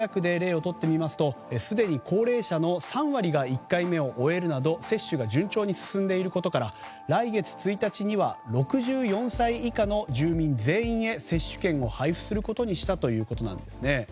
東京都墨田区で例をとってみますとすでに高齢者の３割が１回目を終えるなど接種が順調に進んでいることから来月１日には６４歳以下の住民全員へ接種券を配布することにしたということなんですね。